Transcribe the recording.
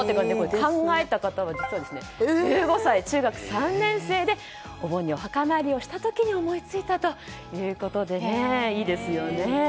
考えた方は実は１５歳、中学３年生でお盆にお墓参りをした時に思い付いたということでいいですよね。